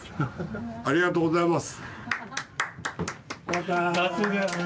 ありがとうございます。